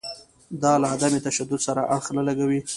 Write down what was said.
دا له عدم تشدد سره اړخ نه لګوي.